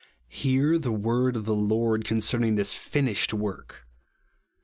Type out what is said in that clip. Hear the word of the Lord concerning this " finished" work.